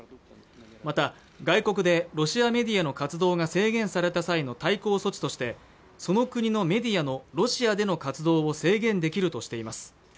また外国でロシアメディアの活動が制限された際の対抗措置としてその国のメディアのロシアでの活動を制限できるとしています